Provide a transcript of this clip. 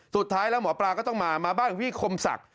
สุดท้ายแล้วหมอปลาก็ต้องมามาบ้านพี่คมศักดิ